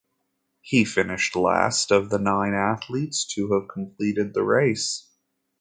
He finished last of the nine athletes to have completed the race.